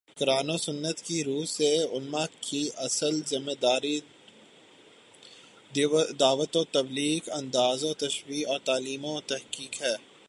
قرآن و سنت کی رو سے علما کی اصل ذمہ داری دعوت و تبلیغ، انذار و تبشیر اور تعلیم و تحقیق ہے